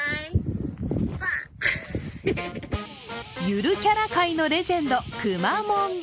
ゆるキャラ界のレジェンドくまモン。